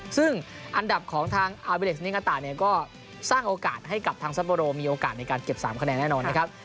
ซึ่งอันดับของทางอาบิเลสนิงาตะเนี่ยก็สร้างโอกาสให้กับทางซัปโบโรมีโอกาสในการเก็บ๓คะแนนแน่นอนนะครับ